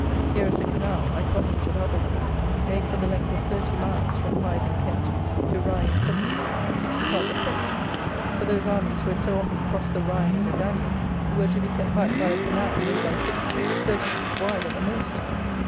Here is a canal (I crossed it at Appledore) made for the length of thirty miles (from Hythe, in Kent, to Rye, in Sussex) to keep out the French; for those armies who had so often crossed the Rhine and the Danube were to be kept back by a canal, made by Pitt, thirty feet wide at the most!